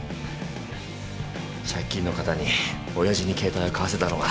借金の形におやじに携帯を買わせたのは。